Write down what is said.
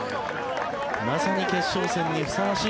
まさに決勝戦にふさわしい